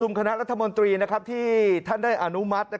คณะรัฐมนตรีที่ท่านได้อนุมัติ